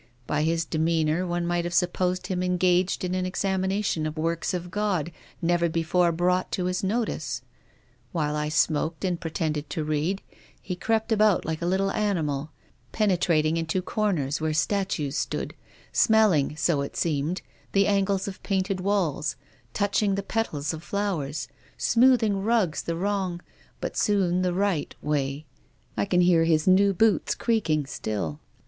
By his demeanour one might have supposed him engaged in an examination of works of God never before brought to his notice. While I smoked and pretended to read, he crept about like a little animal, penetrating into corners where statues stood, smelling — so it seemed — the angles of painted walls, touching the petals of flowers, smoothing rugs the wrong — but soon the THE rL\INBOW. 3 1 right — way. I can hear his new boots creaking still.